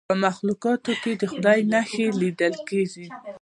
په مخلوقاتو کې د خدای نښې لیدل کیږي.